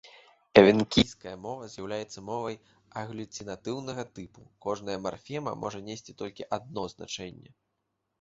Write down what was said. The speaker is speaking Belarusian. Эвенкійская мова з'яўляецца мовай аглюцінатыўнага тыпу, кожная марфема можа несці толькі адно значэнне.